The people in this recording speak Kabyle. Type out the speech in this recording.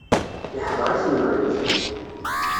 Yeḥḍer i tmenɣiwt.